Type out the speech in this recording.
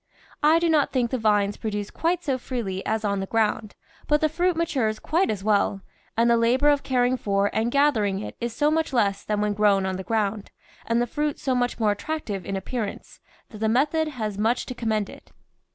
I do not think the vines produce quite so freely as on the ground, but the fruit matures quite as well, and the labour of caring for and gathering it is so much less than when grown on the ground, and the fruit so much more attractive in appear ance, that the method has much to commend it.